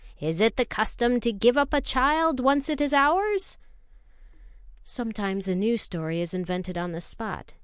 Is it the custom to give up a child, once it is ours?'" Sometimes a new story is invented on the spot.